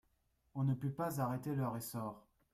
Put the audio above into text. On ne put pas arrêter leur essor.